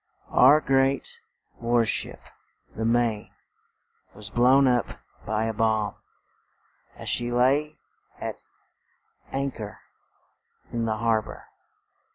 Our great war ship, the "Maine," was blown up by a bomb, as she lay at an chor in the har bor.